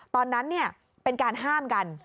ตอนนั้นเป็นการห้ามกัน